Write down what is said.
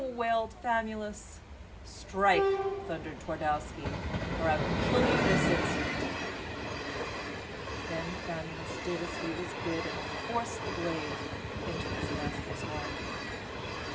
wailed Famulus. "Strike!" thundered Twardowski, "or I will kill you this instant." Then Famulus did as he was bid and forced the blade into his master's heart.